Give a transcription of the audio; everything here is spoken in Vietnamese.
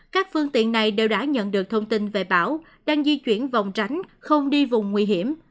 các phương tiện này đều đã nhận được thông tin về bão đang di chuyển vòng tránh không đi vùng nguy hiểm